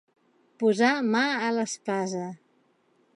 Posar mà a l'espasa.